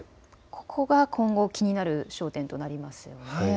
ここが今後、気になる焦点となりますよね。